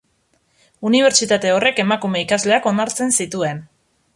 Unibertsitate horrek, emakume ikasleak onartzen zituen.